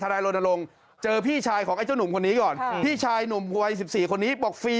ธนายรณรงก์เจอพี่ชายของไอ้เจ้าหนุ่มคนนี้